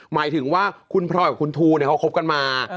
หมายถึงว่าคุณพลอยกับคุณทูเขาคบกันมา